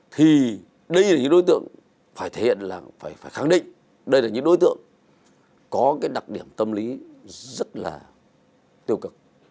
thì đây là những đối tượng phải thể hiện là phải khẳng định đây là những đối tượng có cái đặc điểm tâm lý rất là tiêu cực